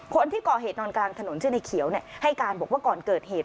คนที่ก่อเหตุนอนกลางถนนชื่อในเขียวให้การบอกว่าก่อนเกิดเหตุ